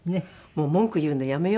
もう文句言うのやめようと。